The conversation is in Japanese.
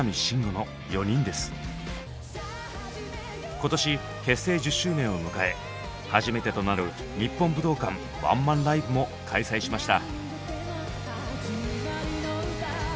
今年結成１０周年を迎え初めてとなる日本武道館ワンマンライブも開催しました。